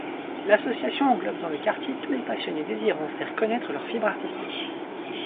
L'association englobe dans le quartier tous les passionnés désirant faire connaître leur fibre artistique.